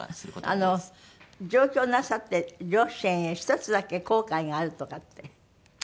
上京なさって両親へ１つだけ後悔があるとかって。